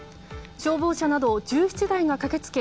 消防車など１７台が駆け付け